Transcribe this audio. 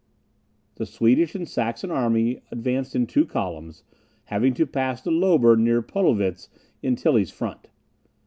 The Swedish and Saxon army advanced in two columns, having to pass the Lober near Podelwitz, in Tilly's front.